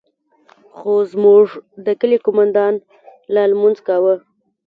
خو زموږ د كلي قومندان لا لمونځ كاوه.